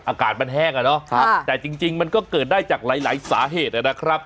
อากาศมันแห้งอ่ะเนาะแต่จริงมันก็เกิดได้จากหลายสาเหตุนะครับ